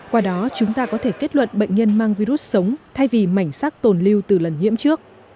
qua đó chúng ta có thể kết luận bệnh nhân mang virus sống thay vì mảnh sắc tồn lưu từ lần nhiễm trước